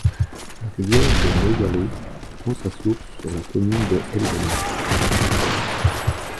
La rivière de Noyalo prend sa source sur la commune de Elven.